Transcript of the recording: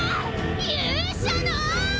勇者の！